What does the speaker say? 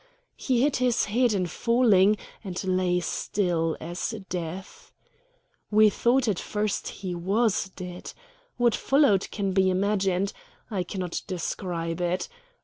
He hit his head in falling, and lay still as death. We thought at first he was dead. What followed can be imagined. I cannot describe it.